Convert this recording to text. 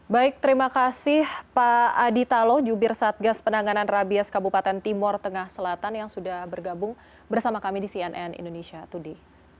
baik terima kasih pak adi talo jubir satgas penanganan rabies kabupaten timur tengah selatan yang sudah bergabung bersama kami di cnn indonesia today